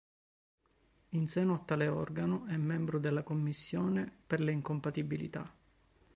In seno a tale organo è membro della Commissione per le incompatibilità.